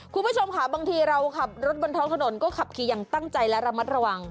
คุณผู้ชมค่ะบางทีเราขับรถบนท้องถนนก็ขับขี่อย่างตั้งใจและระมัดระวัง